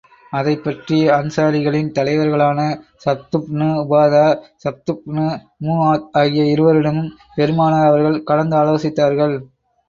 அதைப் பற்றி அன்ஸாரிகளின் தலைவர்களான ஸஃதுப்னு உபாதா, ஸஃதுப்னு முஆத் ஆகிய இருவரிடமும் பெருமானார் அவர்கள் கலந்து ஆலோசித்தார்கள்.